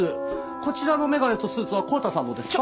こちらの眼鏡とスーツは康太さんのですか？